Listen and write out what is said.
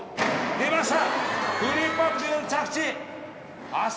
出ました！